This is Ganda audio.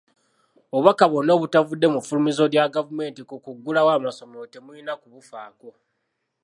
Obubaka bwonna obutavudde mu ffulumizo lya gavumenti ku kuggulawo amasomero temulina kubufaako.